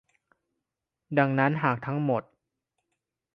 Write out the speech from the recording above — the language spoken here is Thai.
ดังนั้นหากทั้งหมด